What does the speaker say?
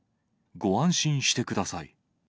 ご安心してください。